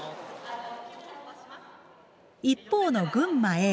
一方の群馬Ａ。